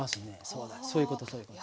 そうだそういうことそういうこと。